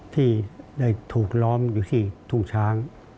ที่ได้ถูกล้อมอยู่ที่ทุ่งช้าง